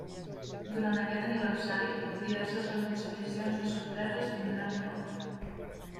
Durant aquest aniversari, diverses reconciliacions i sorpreses tindran lloc.